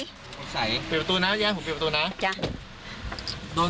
คุณสายเปลี่ยนประตูนะผมเปลี่ยนประตูนะ